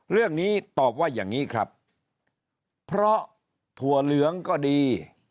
เรื่องนี้ตอบว่าอย่างนี้ครับเพราะถั่วเหลืองก็ดี